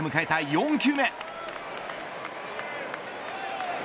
４球目。